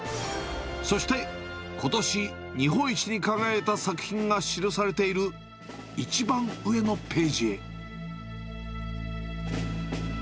そしてことし日本一に輝いた作品が記されている一番上のページへ。